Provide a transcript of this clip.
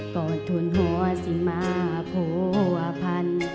ก่อนทุนหัวสิมาพวพันธ์